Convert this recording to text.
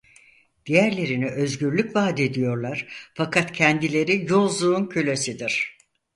Diğerlerine özgürlük vadediyorlar fakat kendileri yozluğun kölesidir.